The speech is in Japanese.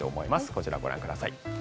こちらをご覧ください。